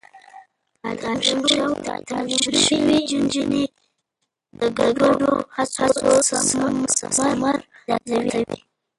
تعليم شوې نجونې د ګډو هڅو ثمر زياتوي.